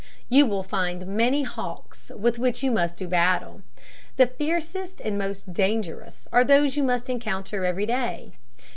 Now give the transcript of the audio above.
You will find many hawks with which you must do battle. The fiercest and most dangerous are those you must encounter every day.